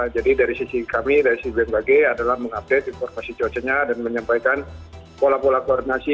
jadi dari sisi kami dari sisi bmkg adalah mengupdate informasi cuacanya dan menyampaikan pola pola koordinasi